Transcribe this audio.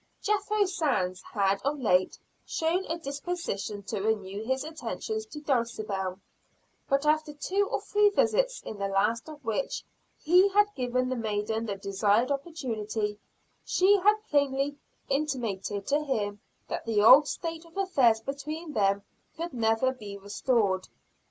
Jethro Sands had of late shown a disposition to renew his attentions to Dulcibel; but, after two or three visits, in the last of which he had given the maiden the desired opportunity, she had plainly intimated to him that the old state of affairs between them could never be restored.